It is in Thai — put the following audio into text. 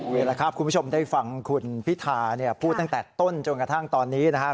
เวลาครับคุณผู้ชมได้ฟังคุณพิธาเนี่ยพูดตั้งแต่ต้นจนกระทั่งตอนนี้นะครับ